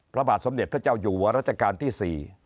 พระบาทสมเด็จพระเจ้าอยู่หัวรัชกาลที่๔